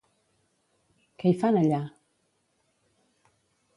Què hi fan allà?